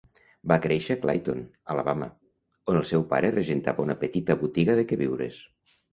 Va créixer a Clayton, Alabama, on el seu pare regentava una petita botiga de queviures.